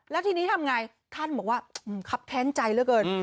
แล้วทีนี้ทำยังไงท่านบอกว่าขับแค้นใจแล้วเกิน